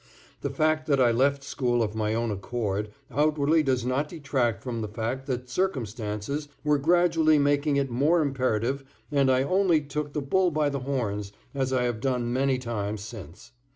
The fact that I left school of my own accord outwardly does not detract from the fact that circumstances were gradually making it more imperative and I only took the bull by the horns, as I have done many times since.